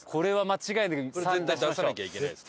絶対出さなきゃいけないです